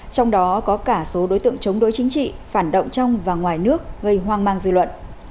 trong đó có cả số đối tượng chống đối chính trị phản động trong và ngoài nước gây hoang mang dư luận